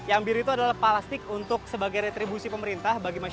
ada yang putih